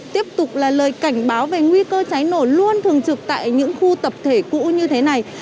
tiếp tục là lời cảnh báo về nguy cơ cháy nổ luôn thường trực tại những khu tập thể cũ như thế này